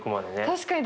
確かに。